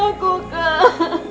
maafkan aku kak